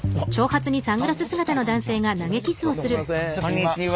こんにちは。